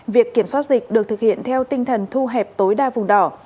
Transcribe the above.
việc kiểm soát dịch được thực hiện theo tinh thần thu hẹp tối đa vùng đỏ